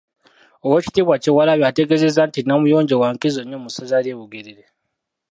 Oweekitiibwa Kyewalabye ategeezezza nti Namuyonjo wa nkizo nnyo mu ssaza ly’e Bugerere.